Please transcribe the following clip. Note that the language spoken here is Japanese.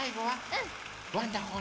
うん！